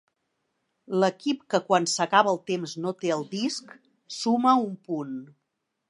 L'equip que quan s'acaba el temps no té el disc suma un punt.